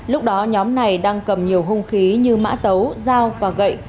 lúc đó nhóm này đang cầm nhiều hung khí như mã tấu dao và gậy